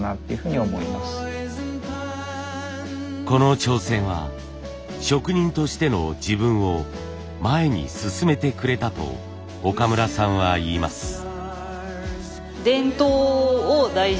この挑戦は職人としての自分を前に進めてくれたと岡村さんはいいます。